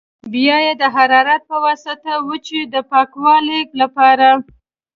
بیا یې د حرارت په واسطه وچوي د پاکوالي لپاره.